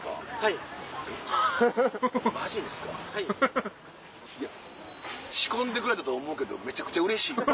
いや仕込んでくれたと思うけどめちゃくちゃうれしいわ。